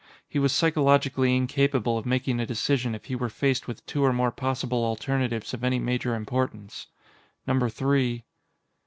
He was psychologically incapable of making a decision if he were faced with two or more possible alternatives of any major importance. Number three